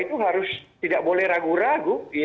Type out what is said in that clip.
itu harus tidak boleh ragu ragu